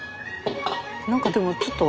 何かでもちょっと。